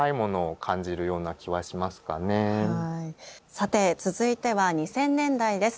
さて続いては２０００年代です。